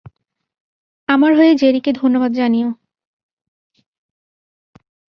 আমার হয়ে জেরিকে ধন্যবাদ জানিও।